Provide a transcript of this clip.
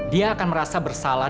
dia akan merasa bersalah